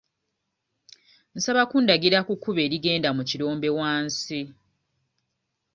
Nsaba kundagirira ku kkubo erigenda mu kirombe wansi.